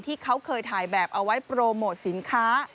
ที่เขาเคยถ่ายแบบเอาไว้โปรโมทสินค้า